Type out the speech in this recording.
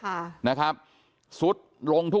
พี่สาวของเธอบอกว่ามันเกิดอะไรขึ้นกับพี่สาวของเธอ